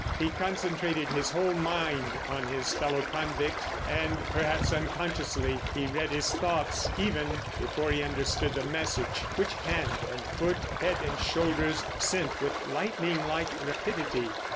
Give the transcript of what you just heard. He concentrated his whole mind on his fellow convict, and, perhaps unconsciously, he read his thoughts even before he understood the message which hand and foot, head and shoulders sent with lightning like rapidity.